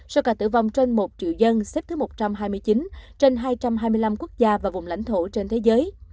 số ca tử vong trên một triệu dân xếp thứ một trăm hai mươi chín trên hai trăm hai mươi năm quốc gia và vùng lãnh thổ trên thế giới